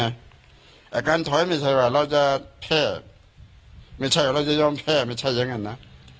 การถอยไม่ใช่ว่าเราจะแค่ไม่ใช่ว่าเราจะยอมแค่ไม่ใช่อย่างนั้นนะ